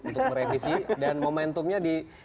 untuk merevisi dan momentumnya